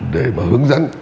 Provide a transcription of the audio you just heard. để mà hướng dẫn